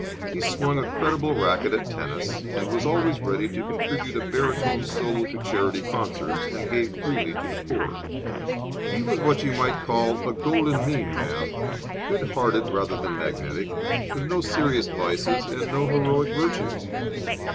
He swung a creditable racket at tennis, was always ready to contribute a baritone solo to charity concerts, and gave freely to the poor. He was what you might call a golden mean man, good hearted rather than magnetic, with no serious vices and no heroic virtues.